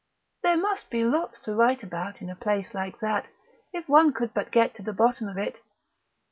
There must be lots to write about in a place like that if one could but get to the bottom of it!